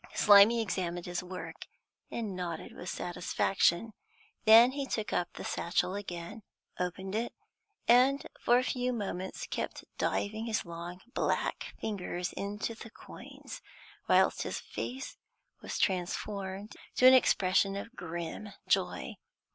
Slimy examined his work, and nodded with satisfaction. Then he took up the satchel again, opened it, and for a few moments kept diving his long black fingers into the coins, whilst his face was transformed to an expression of grim joy.